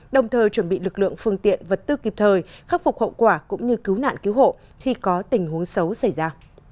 đồng thời chuẩn bị lực lượng phương tiện vật tư kịp thời khắc phục hậu quả cũng như cứu nạn cứu hộ khi có tình huống xấu xảy ra